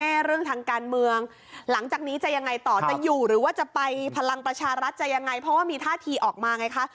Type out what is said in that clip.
เรื่องทางการเมืองหลังจากนี้จะยังไงต่อจะอยู่หรือว่าจะไปพลังประชารัฐจะยังไงเพราะว่ามีท่าทีออกมาไงคะ